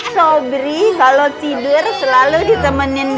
sobri kalau tidur selalu ditemenin